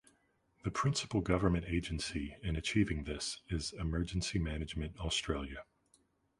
The principal government agency in achieving this is Emergency Management Australia.